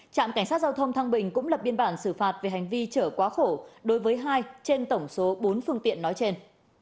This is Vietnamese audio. trạm cảnh sát giao thông thăng bình cũng lập biên bản xử phạt về hành vi chở quá khổ đối với hai trên tổng số bốn phương tiện nói trên